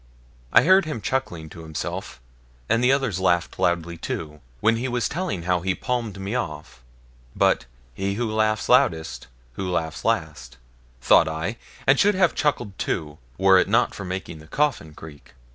I heard him chuckling to himself, and the others laughed loudly too, when he was telling how he palmed me off; but 'he laughs loudest who laughs last', thought I, and should have chuckled too, were it not for making the coffin creak.